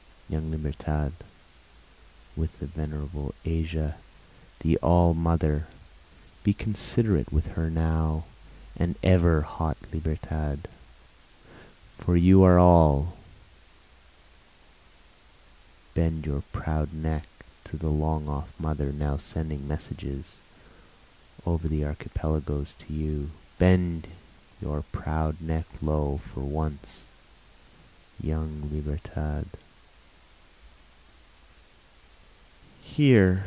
Young Libertad! with the venerable Asia, the all mother, Be considerate with her now and ever hot Libertad, for you are all, Bend your proud neck to the long off mother now sending messages over the archipelagoes to you, Bend your proud neck low for once, young Libertad.